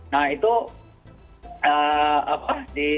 nah itu apa